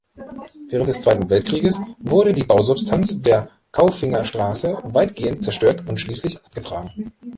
Während des Zweiten Weltkrieges wurde die Bausubstanz der Kaufingerstraße weitgehend zerstört und schließlich abgetragen.